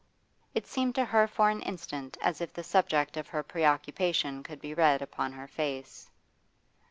It seemed to her for an instant as if the subject of her preoccupation could be read upon her face.